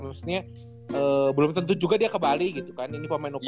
maksudnya belum tentu juga dia ke bali gitu kan ini pemain ukuran